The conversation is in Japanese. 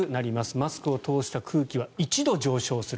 マスクを通した空気は１度上昇する。